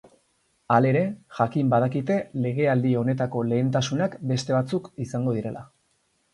Halere, jakin badakite legealdi honetako lehentasunak beste batzuk izango direla.